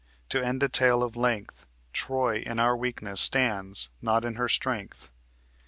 To end a tale of length, Troy in our weakness stands, not in her strength."